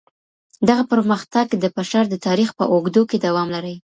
دغه پرمختګ د بشر د تاريخ په اوږدو کي دوام لري.